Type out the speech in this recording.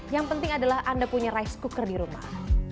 yang penting adalah anda punya rice cooker di rumah